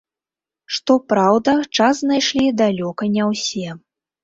Што праўда, час знайшлі далёка не ўсе.